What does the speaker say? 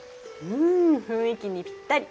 うん雰囲気にぴったり。